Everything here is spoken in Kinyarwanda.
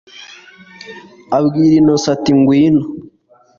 abwira innocent ati ngwino